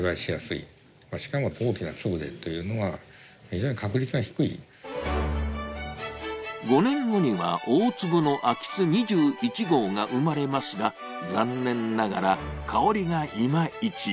しかし５年後には、大粒の安芸津２１号が生まれますが、残念ながら、香りがいまいち。